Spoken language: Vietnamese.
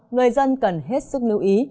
người dân cần hết sức lưu ý